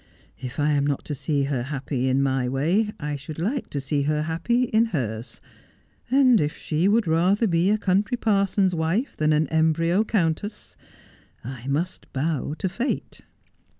If I am not to see her happy in my way I should like to see her happy in hers : and if she would rather be a country parson's wife than an embryo countess, I must bow to fate.'